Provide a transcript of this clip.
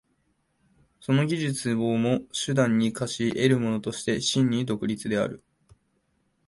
その技術をも手段に化し得るものとして真に独立である。